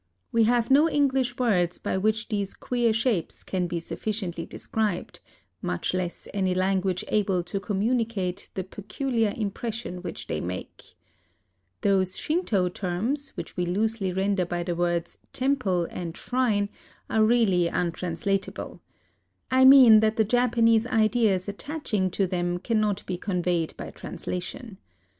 We have no English words by which these queer shapes can be sufficiently described, — much less any lan guage able to communicate the peculiar im pression which they make. Those Shinto terms which we loosely render by the words " temple " and " shrine " are really untrans ^ Usually hinoki {Chamcecyparis obtusa). A LIVING GOD 3 latable ;— I mean that the Japanese ideas attaching to them cannot be conveyed by translation.